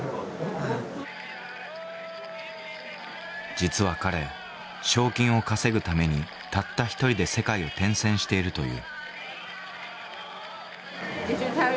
実は彼賞金を稼ぐためにたった一人で世界を転戦しているという。